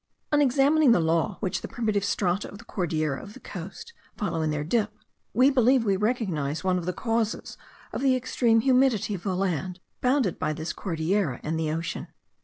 On examining the law which the primitive strata of the Cordillera of the coast follow in their dip, we believe we recognize one of the causes of the extreme humidity of the land bounded by this Cordillera and the ocean.